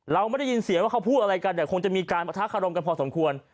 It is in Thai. เราไม่ได้ยินเสียงว่าเขาพูดอะไรกันแต่คงจะมีการประทะคารมกันพอสมควร